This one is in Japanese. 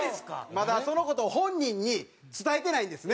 まだその事を本人に伝えてないんですね。